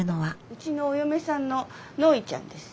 うちのお嫁さんのノーイちゃんです。